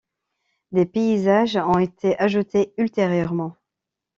Des paysages ont été ajoutés ultérieurement.